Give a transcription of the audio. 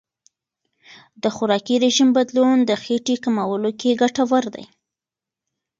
د خوراکي رژیم بدلون د خېټې کمولو کې ګټور دی.